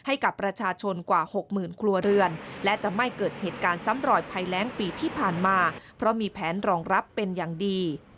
ให้กับประชาชนกว่าหกหมื่นครัวเรือนและจะไม่เกิดเหตุการณ์ซ้ำรอยภัยแรงปีที่ผ่านมาเพราะมีแผนรองรับเป็นอย่างดี